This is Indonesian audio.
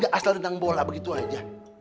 gak asal renang bola begitu aja